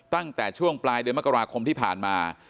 ตั้งแต่ช่วงปลายเดือนมกราคมที่ผ่านมา